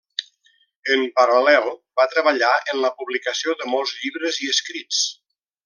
En paral·lel, va treballar en la publicació de molts llibres i escrits.